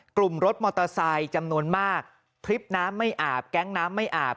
รถมอเตอร์ไซค์จำนวนมากพริบน้ำไม่อาบแก๊งน้ำไม่อาบ